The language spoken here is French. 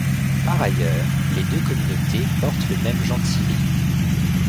Par ailleurs, les deux communautés portent le même gentilé.